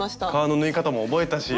革の縫い方も覚えたし。